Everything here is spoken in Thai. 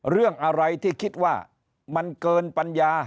เรื่องอะไรที่คิดว่ามันเกินปัญญา